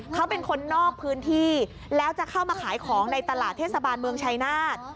เขาเป็นคนนอกพื้นที่แล้วจะเข้ามาขายของในตลาดเทศบาลเมืองชายนาฏ